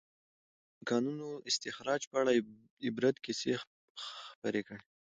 ازادي راډیو د د کانونو استخراج په اړه د عبرت کیسې خبر کړي.